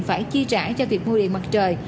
phải chi trả cho việc mua điện mặt trời